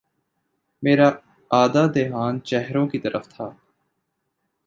میرا آدھا دھیان چہروں کی طرف تھا۔